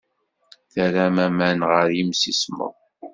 Terram aman ɣer yimsismeḍ?